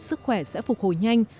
sức khỏe sẽ phục hồi nhanh